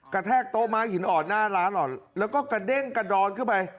แทกโต๊ะม้าหินอ่อนหน้าร้านแล้วก็กระเด้งกระดอนขึ้นไป